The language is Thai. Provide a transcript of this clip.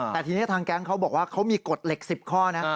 แต่ทีนี้ทางแก๊งเขาบอกว่าเขามีกฎเหล็ก๑๐ข้อนะ